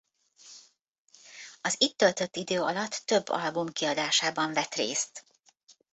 Az itt töltött idő alatt több album kiadásában vett részt.